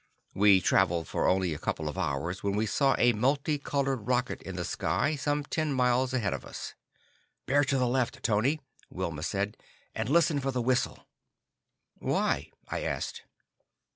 We traveled for only a couple of hours when we saw a multi colored rocket in the sky, some ten miles ahead of us. "Bear to the left, Tony," Wilma said, "and listen for the whistle." "Why?" I asked.